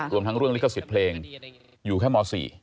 รวมทั้งเรื่องลิขสิทธิ์เพลงอยู่แค่ม๔